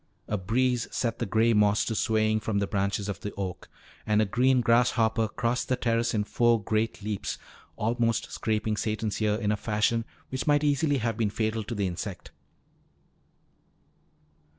A breeze set the gray moss to swaying from the branches of the oak. And a green grasshopper crossed the terrace in four great leaps, almost scraping Satan's ear in a fashion which might easily have been fatal to the insect.